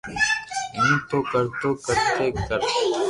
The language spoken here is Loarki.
ھون تو ڪرو تو ڪر ني ڪر